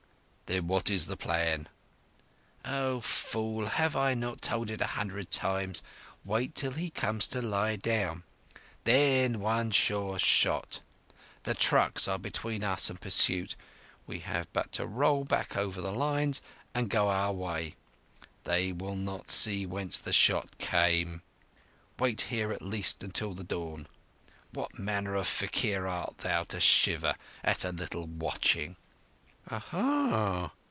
"Then what is the plan?" "O fool, have I not told it a hundred times? Wait till he comes to lie down, and then one sure shot. The trucks are between us and pursuit. We have but to run back over the lines and go our way. They will not see whence the shot came. Wait here at least till the dawn. What manner of faquir art thou, to shiver at a little watching?" "Oho!"